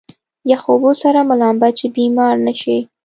يخو اوبو سره مه لامبه چې بيمار نه شې.